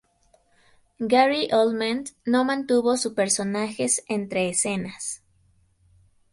Gary Oldman no mantuvo su personajes entre escenas.